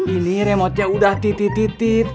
ini remote nya udah titit titit